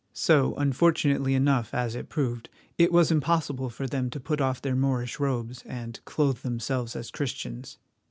So, unfortunately enough as it proved, it was impossible for them to put off their Moorish robes and clothe themselves as Christians.